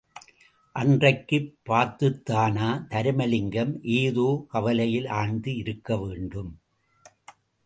அன்றைக்குப் பார்த்துத்தானா தருமலிங்கம் ஏதோ கவலையில் ஆழ்ந்து இருக்க வேண்டும்?!